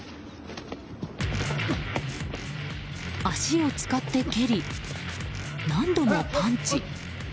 足を使って蹴り、何度もパンチ。